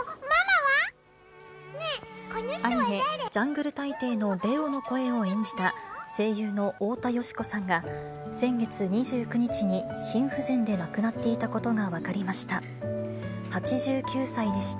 アニメ、ジャングル大帝のレオの声を演じた声優の太田淑子さんが、先月２９日に心不全で亡くなっていたことが分かりました。